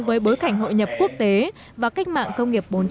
với bối cảnh hội nhập quốc tế và cách mạng công nghiệp bốn